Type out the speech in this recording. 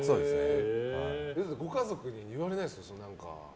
ご家族に言われないですか？